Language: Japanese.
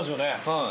はい。